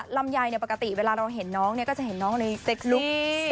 ลำไยปกติเวลาเราเห็นน้องเนี่ยก็จะเห็นน้องในเซ็กลูก